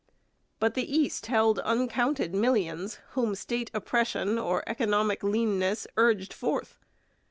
But the east held uncounted millions whom state oppression or economic leanness urged forth.